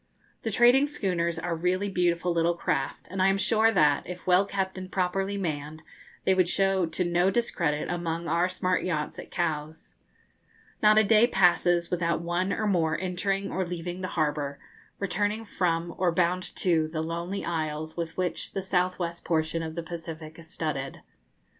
The trading schooners are really beautiful little craft, and I am sure that, if well kept and properly manned, they would show to no discredit among our smart yachts at Cowes. Not a day passes without one or more entering or leaving the harbour, returning from or bound to the lonely isles with which the south west portion of the Pacific is studded.